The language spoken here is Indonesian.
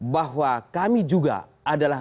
bahwa kami juga adalah